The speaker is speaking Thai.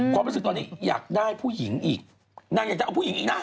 ความรู้สึกตอนนี้อยากได้ผู้หญิงอีกนางอยากจะเอาผู้หญิงอีกนะ